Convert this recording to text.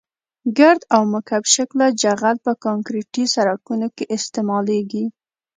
ګرد او مکعب شکله جغل په کانکریټي سرکونو کې استعمالیږي